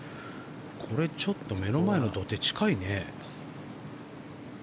これ、ちょっと目の前の土手、近いね。